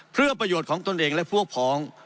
เพื่อประโยชน์ของตนเองและพวกพ้อง